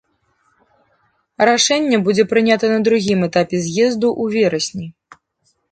Рашэнне будзе прынята на другім этапе з'езду ў верасні.